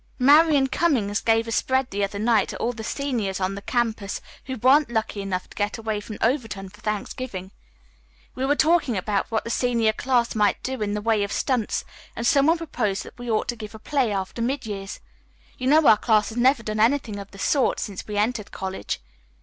"Marian Cummings gave a spread the other night to all the seniors on the campus who weren't lucky enough to get away from Overton for Thanksgiving. We were talking about what the senior class might do in the way of stunts, and some one proposed that we ought to give a play after midyears. You know our class has never done anything of the sort since we entered college.